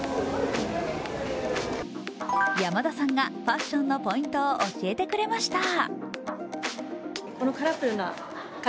山田さんがファッションのポイントを教えてくれました。